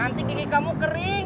nanti gigi kamu kering